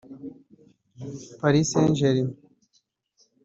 Paris Saint-Germain